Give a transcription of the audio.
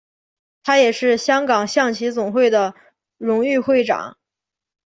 他也是香港象棋总会的荣誉会长。